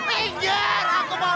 menjer aku mau lewat